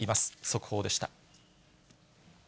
速報でした。